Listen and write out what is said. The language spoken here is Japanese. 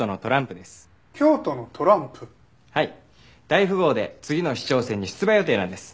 大富豪で次の市長選に出馬予定なんです。